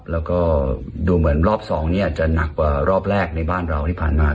แล้วก็ดูเหมือนรอบ๒นี้อาจจะหนักกว่ารอบแรกในบ้านเราที่ผ่านมา